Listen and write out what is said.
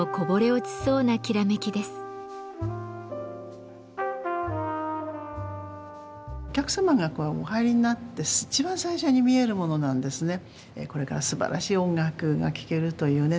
お客様がお入りになって一番最初に見えるものなんですね。